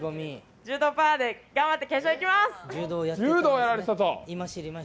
柔道パワーで頑張ってやっていきます。